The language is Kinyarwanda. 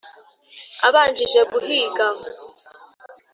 Abanjije guhiga